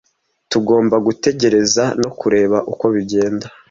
Tugomba gutegereza no kureba uko bigenda.